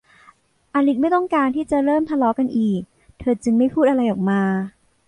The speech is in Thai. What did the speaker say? อลิซไม่ต้องการที่จะเริ่มทะเลาะกันอีก เธอจึงไม่พูดอะไรออกมา